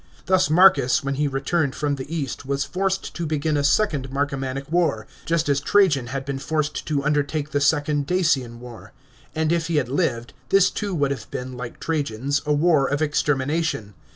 Thus Marcus, when he returned from the east, was forced to begin a second Marcomannic war, just as Trajan had been forced to undertake the second Dacian war; and if he had lived, this too would have been, like Trajan's. a war of extermination.